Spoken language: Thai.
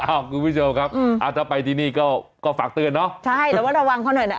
อ้าวคุณผู้ชมครับอืมอ่าถ้าไปที่นี่ก็ก็ฝากเตือนเนอะใช่แล้วว่าระวังเขาหน่อยหน่อย